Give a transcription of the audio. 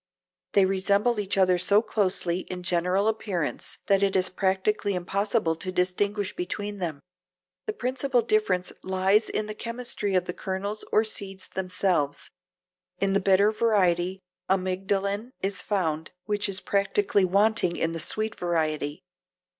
They resemble each other so closely in general appearance that it is practically impossible to distinguish between them. The principal difference lies in the chemistry of the kernels or seeds themselves. In the bitter variety amygdalin is found, which is practically wanting in the sweet variety.